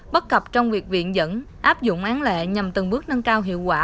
bất cập trong việc viện dẫn áp dụng án lệ nhằm từng bước nâng cao hiệu quả